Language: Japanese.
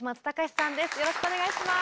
よろしくお願いします。